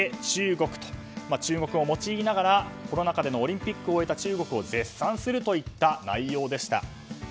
中国と中国語を用いながらコロナ禍でのオリンピックを終えた中国を絶賛するといった内容でした。